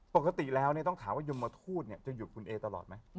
ปกติแล้วต้องถามว่ายมทูตจะหยุดคุณเอตลอดไหม